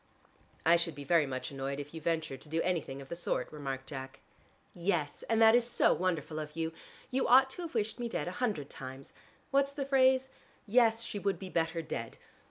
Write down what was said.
"I should be very much annoyed if you ventured to do anything of the sort," remarked Jack. "Yes, and that is so wonderful of you. You ought to have wished me dead a hundred times. What's the phrase? 'Yes, she would be better dead.'